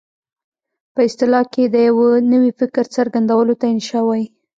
په اصطلاح کې د یوه نوي فکر څرګندولو ته انشأ وايي.